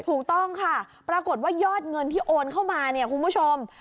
ถูกต้องค่ะปรากฏว่ายอดเงินที่โอนเข้ามาเนี่ยคุณผู้ชม